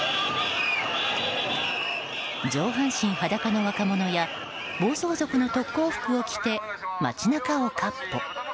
上半身裸の若者や暴走族の特攻服を着て街中をかっ歩。